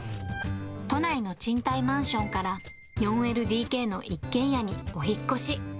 都内の賃貸マンションから４ＬＤＫの一軒家にお引っ越し。